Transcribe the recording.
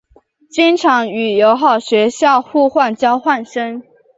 经常与友好学校互换交换生。